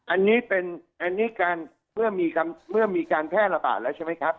อันนี้เป็นอันนี้การเมื่อมีการแพร่ระบาดแล้วใช่ไหมครับ